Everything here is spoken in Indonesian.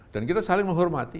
dan kita saling menghormati